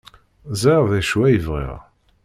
Ẓriɣ d acu ay bɣiɣ.